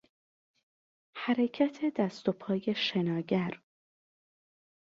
حرکت دست و پای شناگر